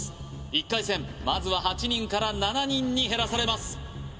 １回戦まずは８人から７人に減らされます